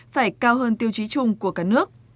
phải cao hơn tiêu chí chung của cả nước